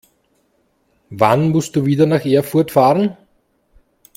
Wann musst du wieder nach Erfurt fahren?